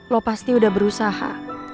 lo pasti udah berusaha